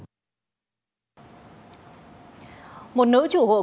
cảm ơn các bạn đã theo dõi